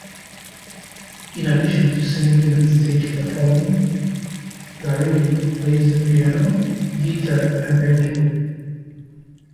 In addition to singing and stage performing, Guarini plays the piano, guitar, and banjo.